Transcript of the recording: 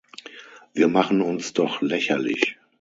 Wir machen uns doch lächerlich.